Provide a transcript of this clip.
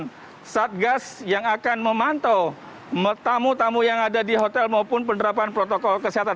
dan satgas yang akan memantau tamu tamu yang ada di hotel maupun penerapan protokol kesehatan